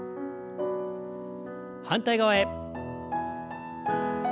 反対側へ。